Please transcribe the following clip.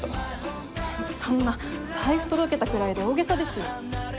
そんな財布届けたくらいで大げさですよ。